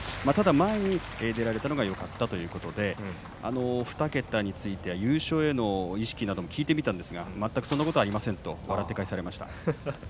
前に出られたのがよかったということで２桁については優勝への意識などを聞きましたが全くそういうことはありませんと笑って答えていました。